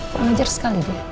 pengajar sekali dia